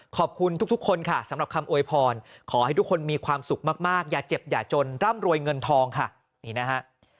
ขอบคุณทุกคนค่ะสำหรับคำอวยพรขอให้ทุกคนมีความสุขมากอย่าเจ็บอย่าจนร่ำรวยเงินทองค่ะนี่นะฮะ